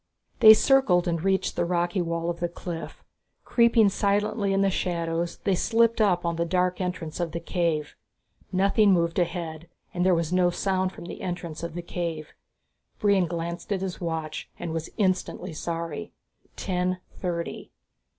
They circled and reached the rocky wall of the cliff. Creeping silently in the shadows, they slipped up on the dark entrance of the cave. Nothing moved ahead and there was no sound from the entrance of the cave. Brion glanced at his watch and was instantly sorry. Ten thirty.